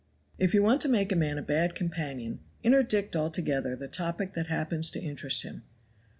If you want to make a man a bad companion, interdict altogether the topic that happens to interest him.